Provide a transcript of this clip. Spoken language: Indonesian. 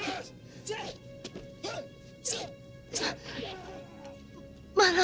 kau juga ketua pagar dirimu